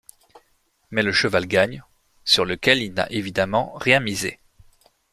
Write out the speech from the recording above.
Mais le cheval gagne, sur lequel il n'a évidemment rien misé.